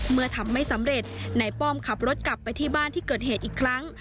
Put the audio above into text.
เมื่อทำไม่สำเร็จนายป้อมขับรถกลับไปที่บ้านที่เกิดเหตุอีกครั้ง